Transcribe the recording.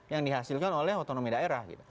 yang dihasilkan oleh otonomi daerah